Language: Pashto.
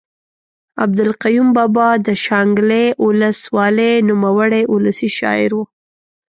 عبدالقیوم بابا د شانګلې اولس والۍ نوموړے اولسي شاعر ؤ